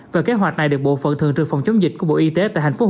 và kế hoạch này được bộ phận thường trực phòng chống dịch của bộ y tế